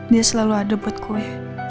dia selalu ada buat kue